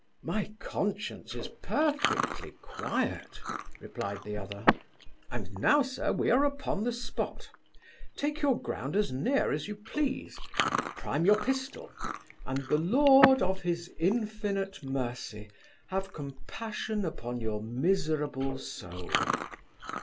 'My conscience is perfectly quiet (replied the other); and now, Sir, we are upon the spot Take your ground as near as you please; prime your pistol; and the Lord, of his infinite mercy, have compassion upon your miserable soul!